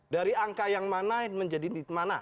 dari angka yang mana menjadi di mana